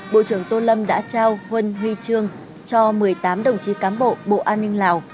bộ trưởng tô lâm đã trao huân huy trương cho một mươi tám đồng chí cám bộ bộ an ninh lào